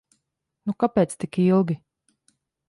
Nu kāpēc tik ilgi?